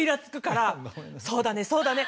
「そうだねそうだね」